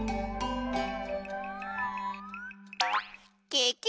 ケケ！